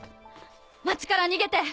町から逃げて！